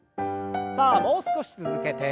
さあもう少し続けて。